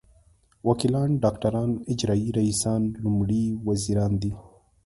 وکیلان ډاکټران اجرايي رییسان لومړي وزیران دي.